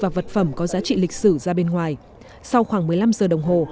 điều này là một vật phẩm có giá trị lịch sử ra bên ngoài sau khoảng một mươi năm giờ đồng hồ